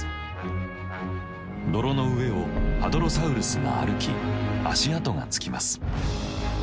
泥の上をハドロサウルスが歩き足跡がつきます。